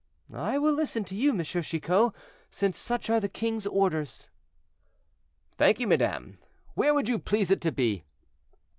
"I will listen to you, M. Chicot, since such are the king's orders." "Thank you, madame; where would you please it to be?"